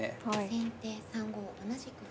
先手３五同じく歩。